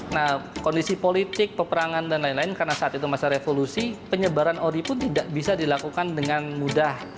nah kondisi politik peperangan dan lain lain karena saat itu masa revolusi penyebaran ori pun tidak bisa dilakukan dengan mudah